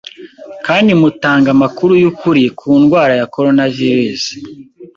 kandi mutanga amakuru y’ukuri ku ndwara ya coronavirus